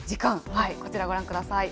こちらご覧ください。